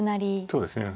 そうですね。